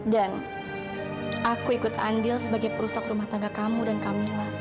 dan aku ikut andil sebagai perusak rumah tangga kamu dan kamila